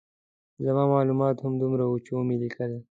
زما معلومات همدومره وو چې ومې لیکل.